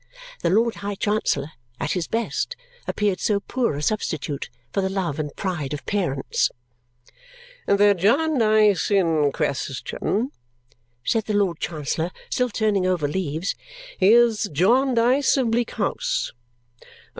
The Lord High Chancellor, at his best, appeared so poor a substitute for the love and pride of parents. "The Jarndyce in question," said the Lord Chancellor, still turning over leaves, "is Jarndyce of Bleak House."